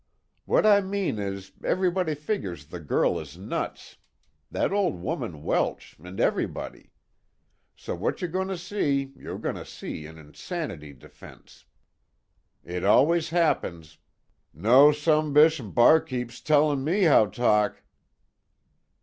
"What I mean is, everybody figures the girl is nuts, that old woman Welsh and everybody. So what you're going to see, you're going to see an insanity defense. It always happens " "No sumbishn barkeep's telling me how talk."